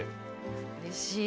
うれしい。